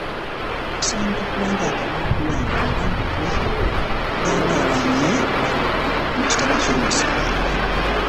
Asangidddwa ng'atemuddwa ng'omulambo gwe gugalamidde mu kitaba ky'omusaayi